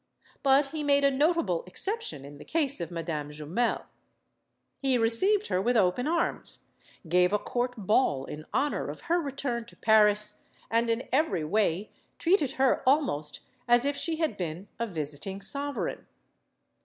But he made a notable exception in the case of Madame Jumel. He received her with open arms, gave a court ball in honor of her return to Paris, and in every way treated her almost as if she had been a visit ing sovereign.